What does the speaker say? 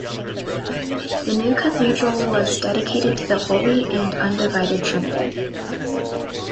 The new cathedral was dedicated to the Holy and Undivided Trinity.